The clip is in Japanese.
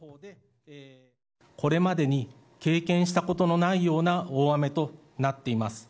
これまでに経験したことのないような大雨となっています。